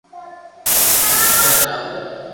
ھون موبائل ھلاو